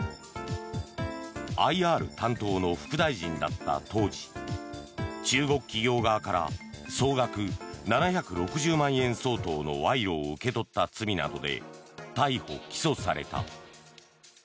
ＩＲ担当の副大臣だった当時中国企業側から総額７６０万円相当の賄賂を受け取った罪などで逮捕・起訴された。